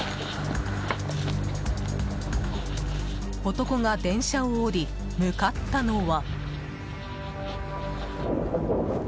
男が電車を降り、向かったのは。